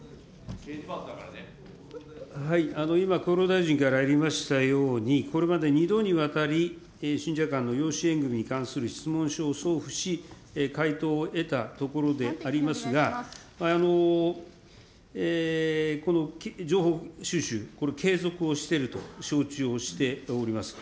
今、厚労大臣からありましたように、これまで２度にわたり、信者間の養子縁組みに関する質問書を送付し、回答を得たところでありますが、この情報収集、これ、継続をしていると承知をしております。